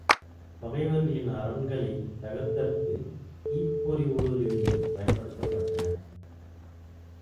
பகைவர்களின் அரண்களைத் தகர்த்தற்குத் தீப் பொறி ஊடுருவிகள் பயன்படுத்தப்பட்டன.